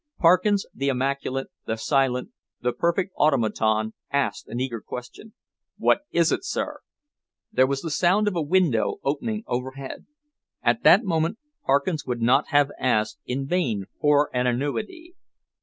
Parkins, the immaculate, the silent, the perfect automaton, asked an eager question. "What is it, sir?" There was the sound of a window opening overhead. At that moment Parkins would not have asked in vain for an annuity.